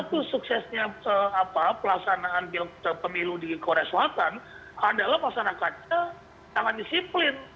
nah satu suksesnya pelaksanaan pemilu di koreslatan adalah pasangannya dengan disiplin